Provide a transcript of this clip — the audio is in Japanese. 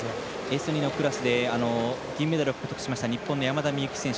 Ｓ２のクラスで銀メダルを獲得しました日本の山田美幸選手。